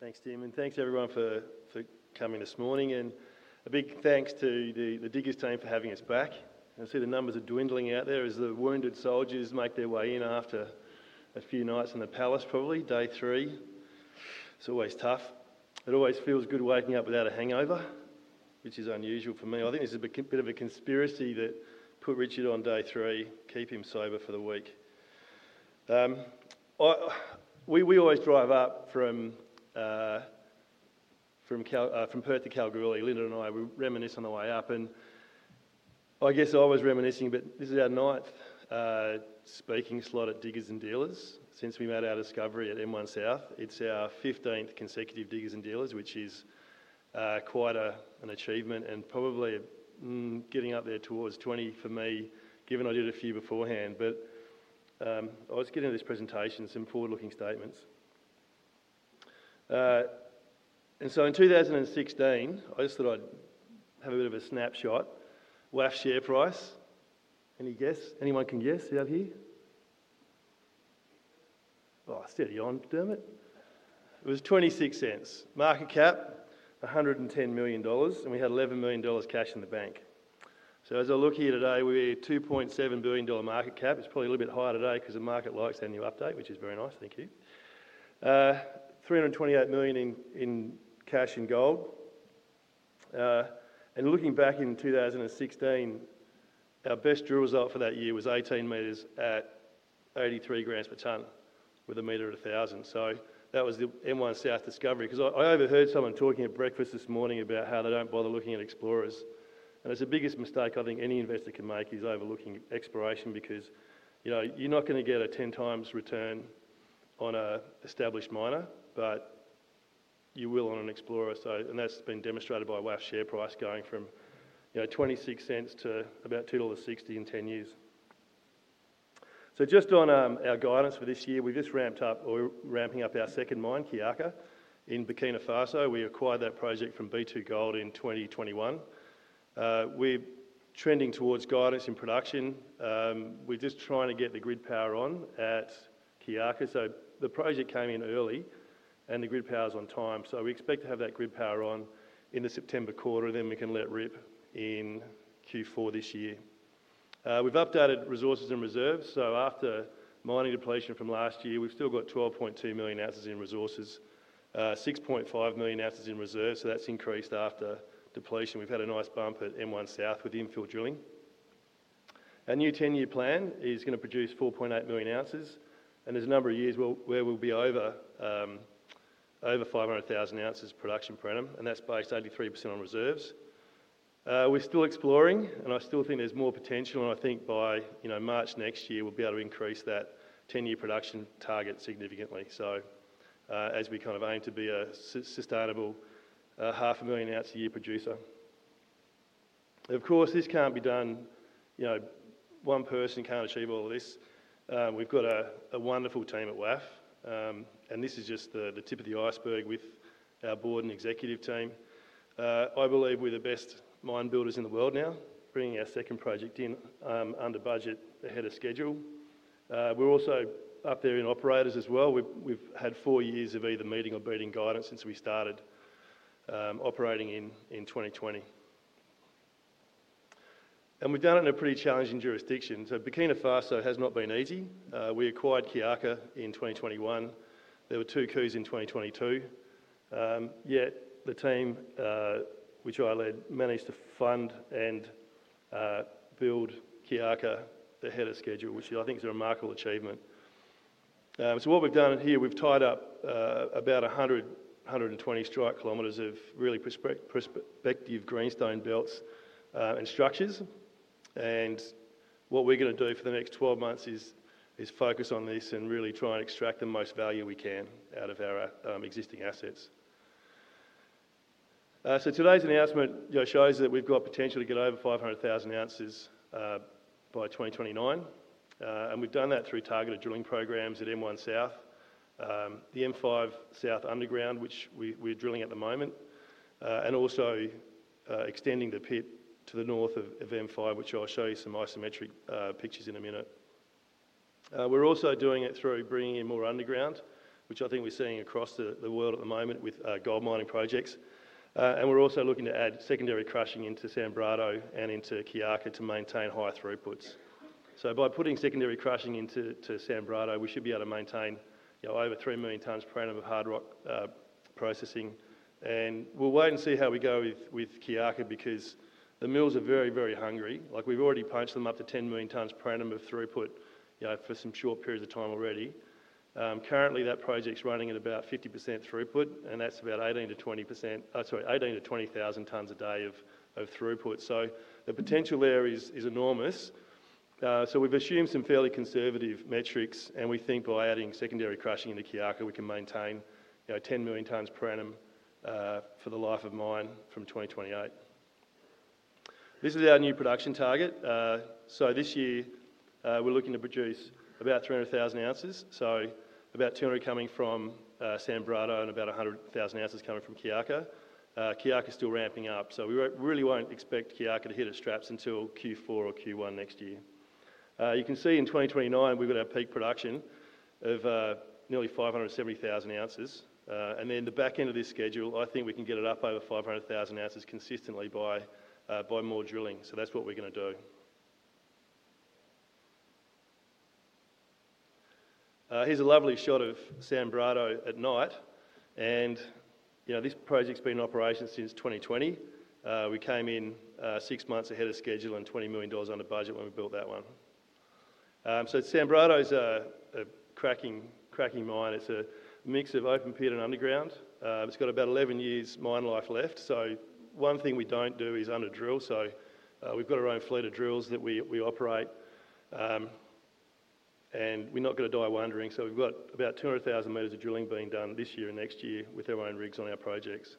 Thanks, Tim. Thanks, everyone, for coming this morning. A big thanks to the Diggers and Dealers Mining Forum team for having us back. I see the numbers are dwindling out there as the wounded soldiers make their way in after a few nights in the Palace, probably day three. It's always tough. It always feels good waking up without a hangover, which is unusual for me. I think this is a bit of a conspiracy that put Richard on day three to keep him sober for the week. We always drive up from Perth to Kalgoorlie. Lyndon and I reminisce on the way up, and I guess I was reminiscing, but this is our ninth speaking slot at Diggers and Dealers since we made our discovery at M1 South. It's our 15th consecutive Diggers and Dealers, which is quite an achievement and probably getting up there towards 20 for me, given I did a few beforehand. I was getting to this presentation, some forward-looking statements. In 2016, I just thought I'd have a bit of a snapshot. What's the share price? Any guess? Anyone can guess out here? Oh, steady on, dammit. It was $0.26. Market cap, $110 million. We had $11 million cash in the bank. As I look here today, we're at $2.7 billion market cap. It's probably a little bit higher today because the market likes annual update, which is very nice. Thank you. $328 million in cash and gold. Looking back in 2016, our best drill result for that year was 18 meters at 83 grams per tonne with a meter at 1,000. That was the M1 South discovery. I overheard someone talking at breakfast this morning about how they don't bother looking at explorers. It's the biggest mistake I think any investor can make, overlooking exploration because, you know, you're not going to get a 10x return on an established miner, but you will on an explorer. That's been demonstrated by West African Resources share price going from $0.26 to about $2.60 in 10 years. Just on our guidance for this year, we just ramped up, or we're ramping up our second mine, Kiaka, in Burkina Faso. We acquired that project from B2Gold in 2021. We're trending towards guidance in production. We're just trying to get the grid power on at Kiaka. The project came in early and the grid power's on time. We expect to have that grid power on in the September quarter, and then we can let rip in Q4 this year. We've updated resources and reserves. After mining depletion from last year, we've still got 12.2 million ounces in resources, 6.5 million ounces in reserves. That's increased after depletion. We've had a nice bump at M1 South with infill drilling. Our new 10-year plan is going to produce 4.8 million ounces, and there's a number of years where we'll be over 500,000 ounces production per annum. That's based 83% on reserves. We're still exploring, and I still think there's more potential. I think by March next year, we'll be able to increase that 10-year production target significantly as we aim to be a sustainable half a million ounce a year producer. Of course, this can't be done by one person. We've got a wonderful team at West African Resources, and this is just the tip of the iceberg with our board and executive team. I believe we're the best mine builders in the world now, bringing our second project in under budget ahead of schedule. We're also up there in operators as well. We've had four years of either meeting or beating guidance since we started operating in 2020, and we've done it in a pretty challenging jurisdiction. Burkina Faso has not been easy. We acquired Kiaka in 2021. There were two coups in 2022, yet the team, which I led, managed to fund and build Kiaka ahead of schedule, which I think is a remarkable achievement. What we've done here is tied up about 120 strike km of really prospective greenstone belts and structures. What we're going to do for the next 12 months is focus on this and really try and extract the most value we can out of our existing assets. Today's announcement shows that we've got potential to get over 500,000 ounces by 2029, and we've done that through targeted drilling programs at M1 South, the M5 South underground, which we're drilling at the moment, and also extending the pit to the north of M5, which I'll show you some isometric pictures in a minute. We're also doing it through bringing in more underground, which I think we're seeing across the world at the moment with gold mining projects. We're also looking to add secondary crushing into Sanbrado and into Kiaka to maintain high throughputs. By putting secondary crushing into Sanbrado, we should be able to maintain over 3 million tons per annum of hard rock processing. We'll wait and see how we go with Kiaka because the mills are very, very hungry. We've already punched them up to 10 million tons per annum of throughput for some short periods of time already. Currently, that project's running at about 50% throughput, and that's about 18,000 tons-20,000 tons a day of throughput. The potential there is enormous. We've assumed some fairly conservative metrics, and we think by adding secondary crushing into Kiaka, we can maintain 10 million tons per annum for the life of mine from 2028. This is our new production target. This year, we're looking to produce about 300,000 ounces, with about 200,000 coming from Sanbrado and about 100,000 ounces coming from Kiaka. Kiaka is still ramping up. We really won't expect Kiaka to hit its straps until Q4 or Q1 next year. You can see in 2029, we've got our peak production of nearly 570,000 ounces. The back end of this schedule, I think we can get it up over 500,000 ounces consistently by more drilling. That's what we're going to do. Here's a lovely shot of Sanbrado at night. This project's been in operation since 2020. We came in six months ahead of schedule and $20 million under budget when we built that one. Sanbrado is a cracking mine. It's a mix of open pit and underground. It's got about 11 years mine life left. One thing we don't do is under drill. We've got our own fleet of drills that we operate, and we're not going to die wandering. We've got about 200,000 meters of drilling being done this year and next year with our own rigs on our projects.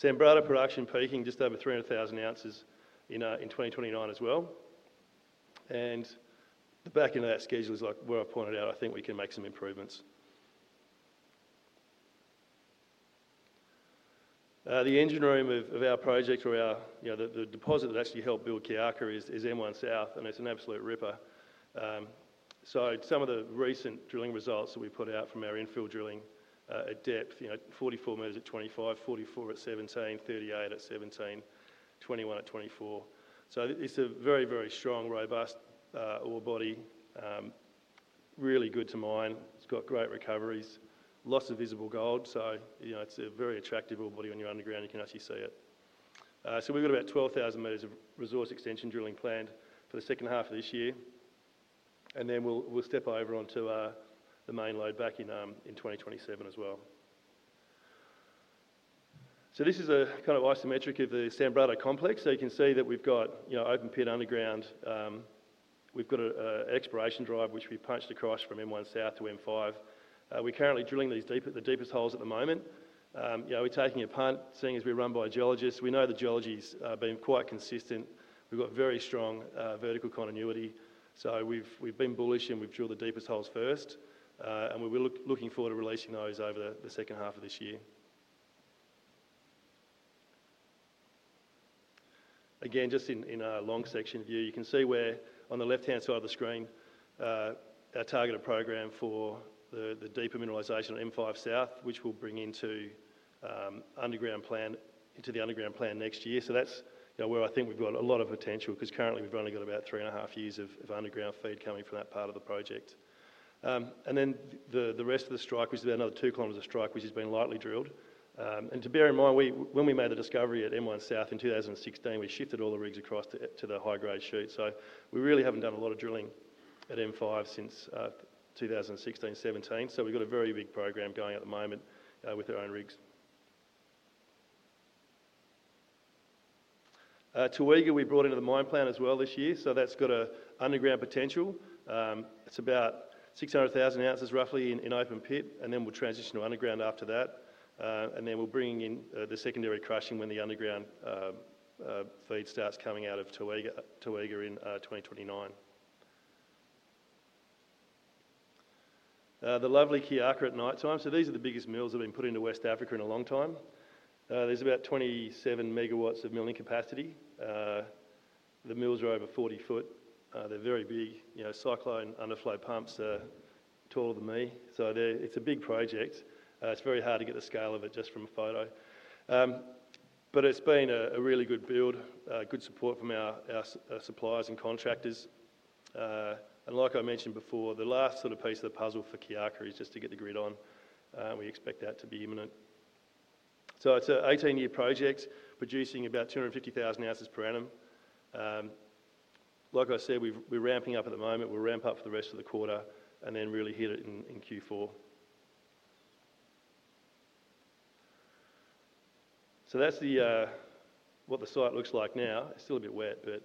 Sanbrado production peaking just over 300,000 ounces in 2029 as well. The back end of that schedule is where I pointed out I think we can make some improvements. The engine room of our project, or the deposit that actually helped build Kiaka, is M1 South, and it's an absolute ripper. Some of the recent drilling results that we put out from our infill drilling at depth: 44 meters at 25, 44 at 17, 38 at 17, 21 at 24. It's a very, very strong, robust ore body. Really good to mine. It's got great recoveries. Lots of visible gold. It's a very attractive ore body when you're underground. You can actually see it. We've got about 12,000 meters of resource extension drilling planned for the second half of this year. We'll step over onto the main lode back in 2027 as well. This is a kind of isometric of the Sanbrado complex. You can see that we've got open pit, underground. We've got an exploration drive, which we punched across from M1 South to M5. We're currently drilling the deepest holes at the moment. We're taking a punt, seeing as we run by geologists. We know the geology's been quite consistent. We've got very strong vertical continuity. We've been bullish and we've drilled the deepest holes first. We're looking forward to releasing those over the second half of this year. Just in our long section view, you can see where on the left-hand side of the screen, our targeted program for the deeper mineralisation of M5 South, which will bring into the underground plan next year. That's where I think we've got a lot of potential because currently we've only got about three and a half years of underground feed coming from that part of the project. The rest of the strike, which is another two kilometers of strike, has been lightly drilled. To bear in mind, when we made the discovery at M1 South in 2016, we shifted all the rigs across to the high-grade chute. We really haven't done a lot of drilling at M5 since 2016-2017. We've got a very big program going at the moment with our own rigs. Tooega, we brought into the mine plan as well this year. That's got an underground potential. It's about 600,000 ounces, roughly, in open pit. We'll transition to underground after that. We're bringing in the secondary crushing when the underground feed starts coming out of Tooega in 2029. The lovely Kiaka at nighttime. These are the biggest mills that have been put into West Africa in a long time. There's about 27 megawatts of milling capacity. The mills are over 40 ft. They're very big. Cyclone underflow pumps are taller than me. It's a big project. It's very hard to get the scale of it just from a photo. It's been a really good build, good support from our suppliers and contractors. Like I mentioned before, the last sort of piece of the puzzle for Kiaka is just to get the grid on. We expect that to be imminent. It's an 18-year project, producing about 250,000 ounces per annum. Like I said, we're ramping up at the moment. We'll ramp up for the rest of the quarter and really hit it in Q4. That's what the site looks like now. It's still a bit wet, but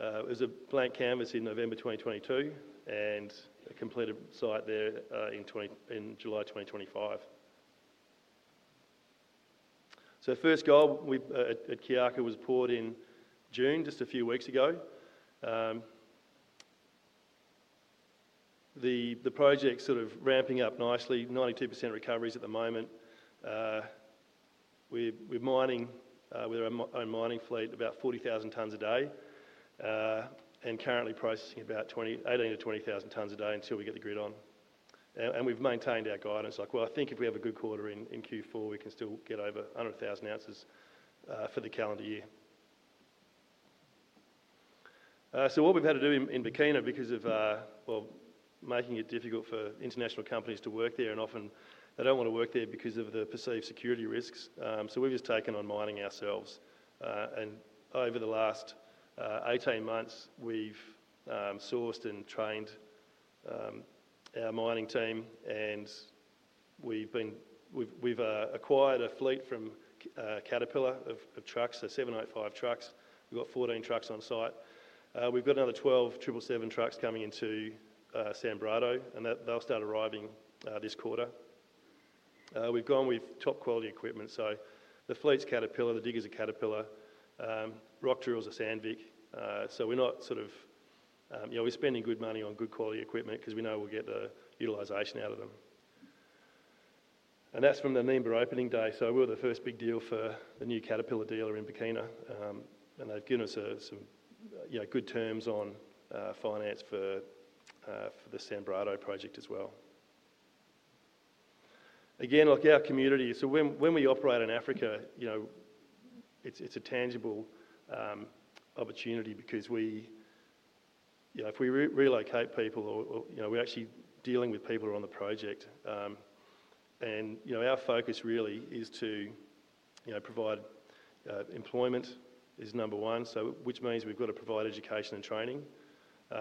it was a blank canvas in November 2022 and a completed site there in July 2025. First gold at Kiaka was poured in June, just a few weeks ago. The project's ramping up nicely, 92% recoveries at the moment. We're mining with our own mining fleet about 40,000 tons a day and currently processing about 18,000 to 20,000 tons a day until we get the grid on. We've maintained our guidance. I think if we have a good quarter in Q4, we can still get over 100,000 ounces for the calendar year. What we've had to do in Burkina Faso, because of making it difficult for international companies to work there, and often they don't want to work there because of the perceived security risks, we've just taken on mining ourselves. Over the last 18 months, we've sourced and trained our mining team. We've acquired a fleet from Caterpillar of trucks, so 785 trucks. We've got 14 trucks on site. We've got another 12 777 trucks coming into Sanbrado, and they'll start arriving this quarter. We've gone with top quality equipment. The fleet's Caterpillar, the diggers are Caterpillar, rock drills are Sandvik. We're spending good money on good quality equipment because we know we'll get the utilization out of them. That's from the Nimba opening day. We're the first big deal for the new Caterpillar dealer in Burkina Faso, and they've given us some good terms on finance for the Sanbrado project as well. Our community, when we operate in Africa, it's a tangible opportunity because if we relocate people, we're actually dealing with people who are on the project. Our focus really is to provide employment as number one, which means we've got to provide education and training.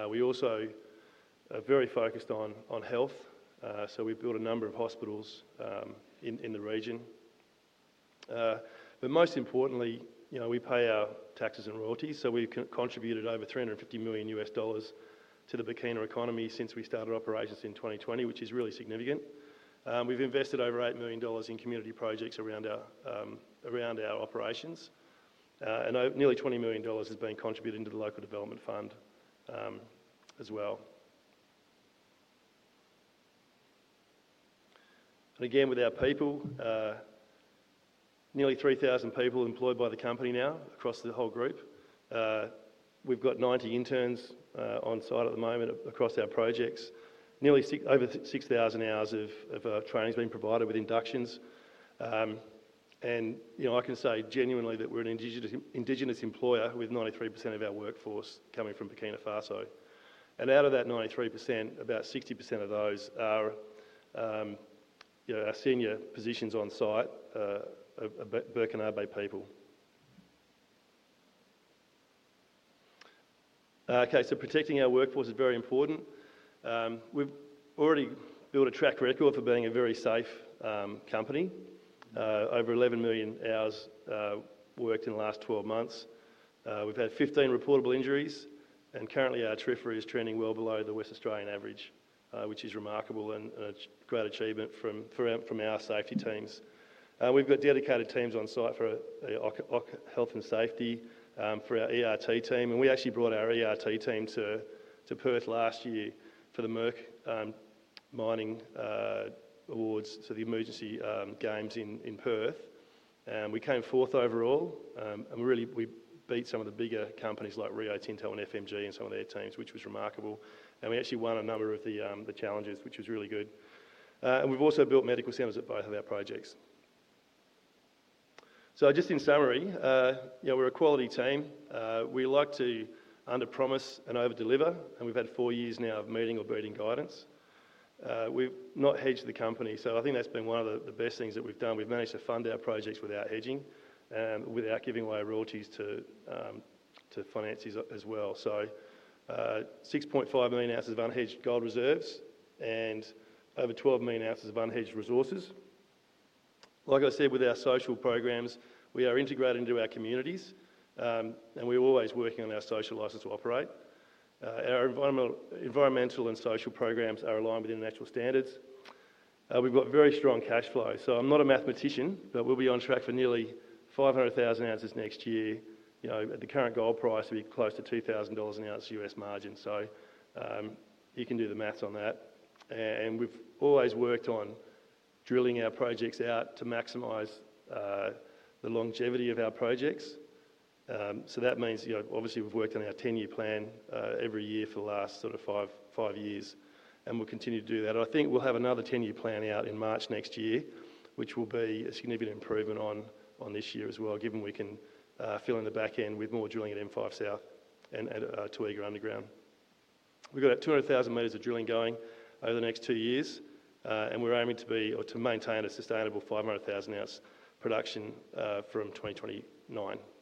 We also are very focused on health. We build a number of hospitals in the region. Most importantly, we pay our taxes and royalties. We've contributed over $350 million to the Burkina Faso economy since we started operations in 2020, which is really significant. We've invested over $8 million in community projects around our operations. Nearly $20 million has been contributed into the local development fund as well. With our people, nearly 3,000 people are employed by the company now across the whole group. We've got 90 interns on site at the moment across our projects. Over 6,000 hours of training has been provided with inductions. I can say genuinely that we're an indigenous employer with 93% of our workforce coming from Burkina Faso. Out of that 93%, about 60% of those are our senior positions on site, Burkinabe people. Protecting our workforce is very important. We've already built a track record for being a very safe company. Over 11 million hours worked in the last 12 months. We've had 15 reportable injuries. Currently, our trajectory is trending well below the West Australian average, which is remarkable and a great achievement from our safety teams. We've got dedicated teams on site for Health and Safety and for our ERT team. We actually brought our ERT team to Perth last year for the MERC mining awards, the emergency games in Perth. We came fourth overall. We beat some of the bigger companies like Rio Tinto and FMG and some of their teams, which was remarkable. We actually won a number of the challenges, which was really good. We've also built medical centers at both of our projects. Just in summary, we're a quality team. We like to under-promise and over-deliver. We've had four years now of meeting or beating guidance. We've not hedged the company. I think that's been one of the best things that we've done. We've managed to fund our projects without hedging and without giving away royalties to financiers as well. 6.5 million ounces of unhedged gold reserves and over 12 million ounces of unhedged resources. Like I said, with our social programs, we are integrated into our communities. We're always working on our social license to operate. Our environmental and social programs are aligned with international standards. We've got very strong cash flow. I'm not a mathematician, but we'll be on track for nearly 500,000 ounces next year. At the current gold price, we're close to $2,000 an ounce U.S. margin. You can do the math on that. We've always worked on drilling our projects out to maximize the longevity of our projects. That means we've worked on our 10-year plan every year for the last sort of five years. We'll continue to do that. I think we'll have another 10-year plan out in March next year, which will be a significant improvement on this year as well, given we can fill in the back end with more drilling at M1 South and at Toega Underground. We've got about 200,000 meters of drilling going over the next two years. We're aiming to be or to maintain a sustainable 500,000 ounce production from 2029. Thank you.